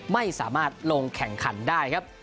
ไม่สามารถลงแข่งขันได้ครับ